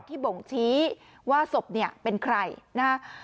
บ่งชี้ว่าศพเนี่ยเป็นใครนะฮะ